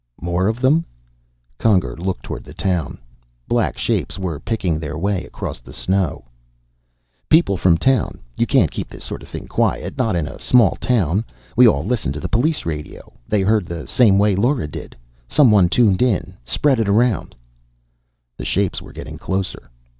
"More of them?" Conger looked toward the town. Black shapes were picking their way across the snow. "People from the town. You can't keep this sort of thing quiet, not in a small town. We all listen to the police radio; they heard the same way Lora did. Someone tuned in, spread it around " The shapes were getting closer.